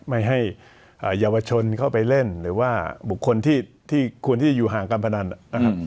ไม่ให้เยาวชนเข้าไปเล่นหรือว่าบุคคลที่ควรที่จะอยู่ห่างการพนันนะครับ